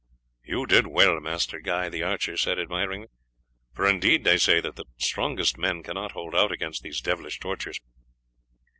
"You did well, Master Guy," the archer said admiringly; "for indeed they say that the strongest man cannot hold out against these devilish tortures."